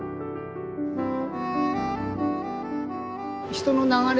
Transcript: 人の流れ